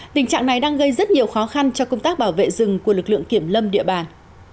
tình trạng này đang gây rất nhiều khó khăn cho công tác bảo vệ rừng của lực lượng kiểm lâm địa bàn